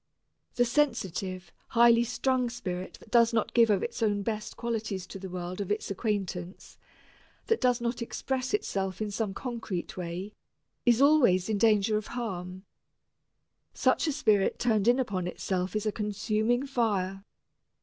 The sensitive, high strung spirit that does not give of its own best qualities to the world of its acquaintance, that does not express itself in some concrete way, is always in danger of harm. Such a spirit turned in upon itself is a consuming fire.